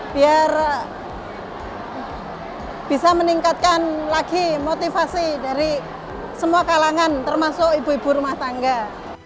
biar bisa meningkatkan lagi motivasi dari semua kalangan termasuk ibu ibu rumah tangga